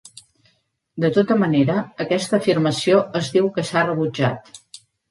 De tota manera, aquesta afirmació es diu que s'ha rebutjat.